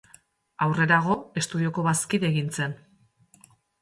Aurrerago, estudioko bazkide egin zen.